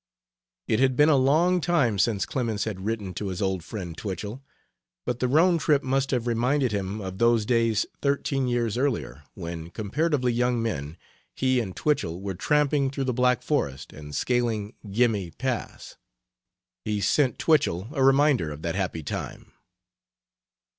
It had been a long time since Clemens had written to his old friend Twichell, but the Rhone trip must have reminded him of those days thirteen years earlier, when, comparatively young men, he and Twichell were tramping through the Black Forest and scaling Gemmi Pass. He sent Twichell a reminder of that happy time.